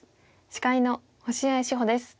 司会の星合志保です。